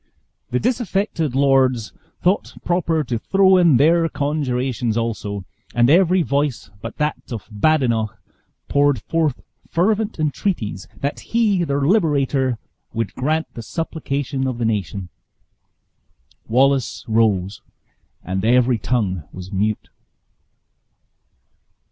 The disaffected lords thought proper to throw in their conjurations also; and every voice but that of Badenoch poured forth fervent entreaties that he, their liberator, would grant the supplication of the nation. Wallace rose, and every tongue was mute.